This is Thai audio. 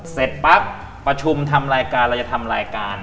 เสร็จปั๊บประชุมทำรายการเราจะทำรายการ